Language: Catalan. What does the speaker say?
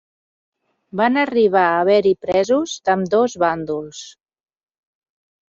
Van arribar a haver-hi presos d'ambdós bàndols.